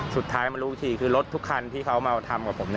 สุดท้ายมารู้อีกทีคือรถทุกคันที่เขามาทำกับผม